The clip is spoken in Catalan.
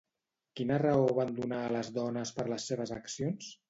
Quina raó van donar a les dones per les seves accions?